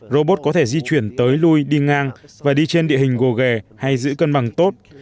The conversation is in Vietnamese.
robot có thể di chuyển tới lui đi ngang và đi trên địa hình gồ ghề hay giữ cân bằng tốt